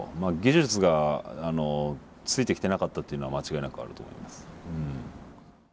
あ技術がついてきてなかったっていうのは間違いなくあると思います。